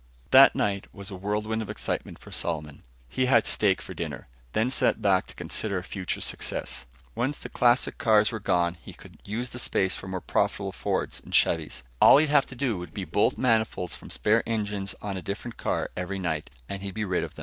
That night was a whirlwind of excitement for Solomon. He had steak for dinner, then sat back to consider future success. Once the classic cars were gone, he could use the space for more profitable Fords and Chevys. All he'd have to do would be bolt manifolds from spare engines on a different car every night, and he'd be rid of it.